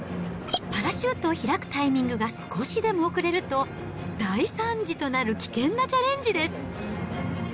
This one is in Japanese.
パラシュートを開くタイミングが少しでも遅れると、大惨事となる危険なチャレンジです。